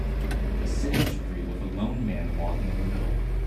A city street with a lone man walking in the middle